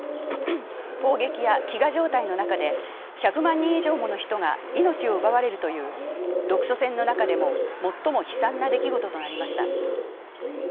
砲撃や飢餓状態の中で１００万人以上のもの人が命を奪われるという独ソ戦の中でも最も悲惨な出来事となりました。